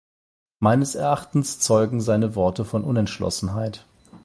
Meines Erachtens zeugen seine Worte von Unentschlossenheit.